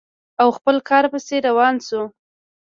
او خپل کار پسې روان شو.